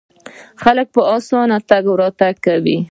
خلک په اسانۍ تګ راتګ کوي.